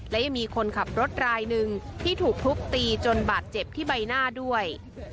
และยังมีคนขับรถรายหนึ่งที่ถูกทุบตีจนบาดเจ็บที่ใบหน้าด้วย